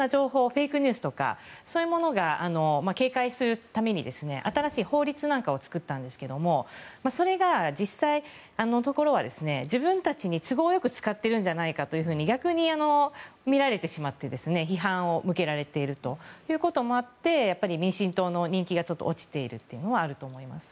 フェイクニュースとかそういうものを警戒するために新しい法律なんかを作ったんですけれどもそれが実際のところは自分たちに都合よく使っているんではないかと逆に見られてしまって批判を向けられているということもあって民進党の人気が落ちているというのはあると思います。